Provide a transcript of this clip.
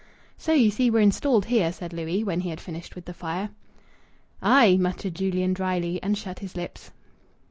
"So you see we're installed here," said Louis, when he had finished with the fire. "Aye!" muttered Julian dryly, and shut his lips.